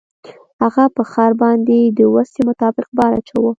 هغه په خر باندې د وسې مطابق بار اچاوه.